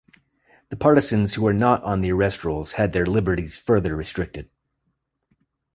The partisans who were not on the arrest rolls had their liberties further restricted.